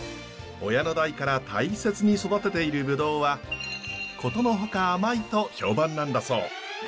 親の代から大切に育てているブドウは殊の外甘いと評判なんだそう。